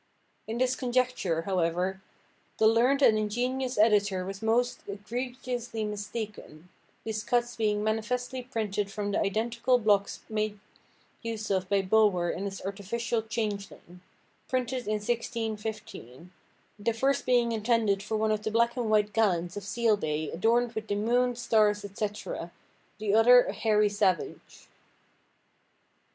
In this conjecture, however, the learned and ingenious editor was most egregiously mistaken, these cuts being manifestly printed from the identical blocks made use of by Bulwer in his "Artificial Changeling," printed in 1615, the first being intended for one of the black and white gallants of Seale–bay adorned with the moon, stars, etc., the other a hairy savage.